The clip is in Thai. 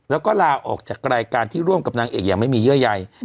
แล้วก็ลาออกจากรายการที่ร่วมกับนางเอกอย่างไม่มีเยื่อใย